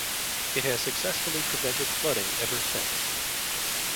It has successfully prevented flooding ever since.